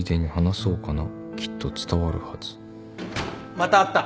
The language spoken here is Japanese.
またあった。